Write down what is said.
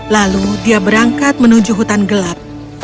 lalu dia berangkat menuju hutan gelap